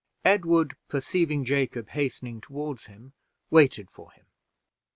Edward, perceiving Jacob hastening toward him, waited for him.